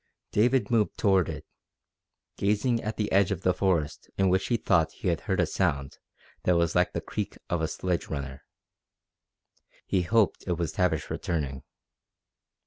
David moved toward it, gazing at the edge of the forest in which he thought he had heard a sound that was like the creak of a sledge runner. He hoped it was Tavish returning.